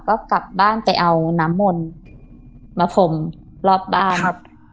ก็กลับบ้านไปเอาน้ำมนต์มาพรมรอบบ้านครับ